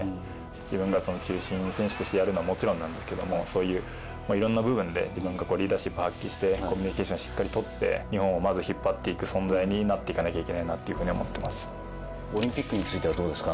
自分が中心選手としてやるのはもちろんですがそういういろんな部分でリーダーシップを発揮して、コミュニケーションをしっかりとって日本を引っ張っていく存在になっていかなきゃいけないなとオリンピックについてはどうですか？